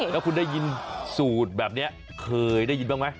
แล้วคุณได้ยินสูตรแบบนี้เคยได้ยินบ้างไหม